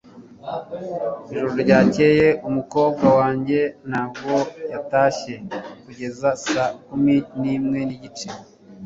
Ijoro ryakeye umukobwa wanjye ntabwo yatashye kugeza saa kumi n'imwe n'igice.